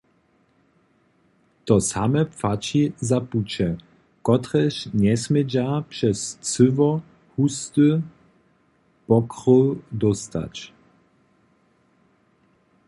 To same płaći za puće, kotrež njesmědźa přez cyło husty pokryw dóstać.